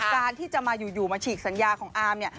การที่จะมาอยู่มาฉีกสัญญาของอามเนี่ย